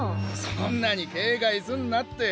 そんなに警戒すんなって。